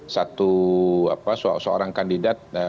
satu apa seorang kandidat